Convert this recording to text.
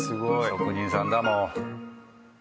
職人さんだもう。